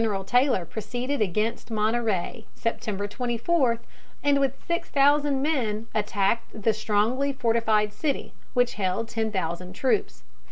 Next General Taylor proceeded against Monterey, September 24, and with six thousand men attacked the strongly fortified city, which held ten thousand troops.